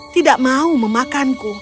tidak mau memakanku